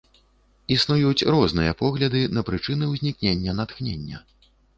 Існуюць розныя погляды на прычыны ўзнікнення натхнення.